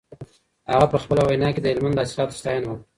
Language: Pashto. هغه په خپله وینا کي د هلمند د حاصلاتو ستاینه وکړه.